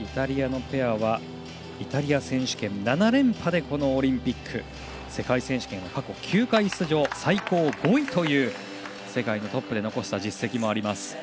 イタリアのペアはイタリア選手権７連覇でこのオリンピック世界選手権を過去９回出場で最高５位という世界のトップで残した実績もあります。